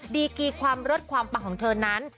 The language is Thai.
ดีกีความเลิศความปังของเธอนั้น